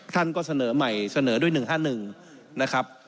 ท่านก็เสนอใหม่เสนอด้วย๑๕๑นะครับ